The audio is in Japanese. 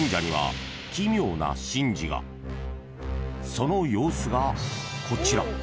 ［その様子がこちら］